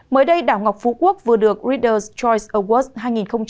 mới đây đảo ngọc phú quốc vừa được reader s choice awards hai nghìn hai mươi bốn